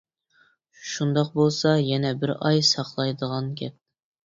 شۇنداق بولسا يەنە بىر ئاي ساقلايدىغان گەپ.